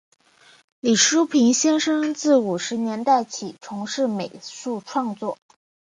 李叔平先生自五十年代起从事美术创作。